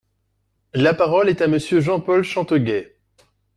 La parole est à Monsieur Jean-Paul Chanteguet.